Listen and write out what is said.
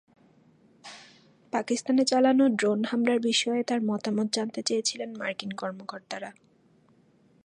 পাকিস্তানে চালানো ড্রোন হামলার বিষয়ে তাঁর মতামত জানতে চেয়েছিলেন মার্কিন কর্মকর্তারা।